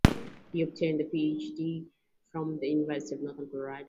He obtained a Ph.D. from the University of Northern Colorado.